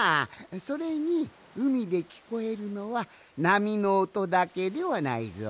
それにうみできこえるのはなみのおとだけではないぞ。